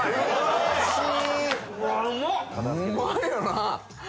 うまいよな？